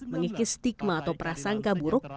mengikis stigma atau prasangka buruk